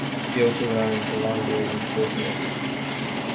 Bill to learn the laundry business.